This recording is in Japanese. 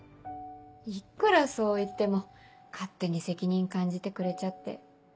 いくらそう言っても勝手に責任感じてくれちゃって。